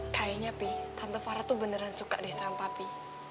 kayaknya pi tante fara tuh beneran suka deh saham papi